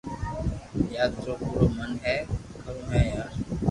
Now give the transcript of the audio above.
يا ٿرو پورو من ھي ڪرو ھي يار